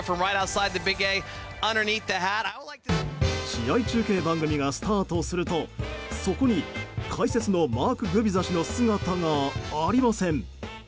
試合中継番組がスタートするとそこに解説のマーク・グビザ氏の姿がありません。